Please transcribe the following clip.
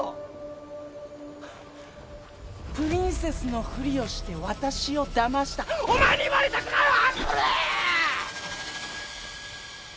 プリンセスのふりをして私をだましたお前に言われたくないわ！！